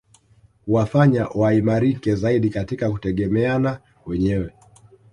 Huwafanya waimarike zaidi katika kutegemeana wenyewe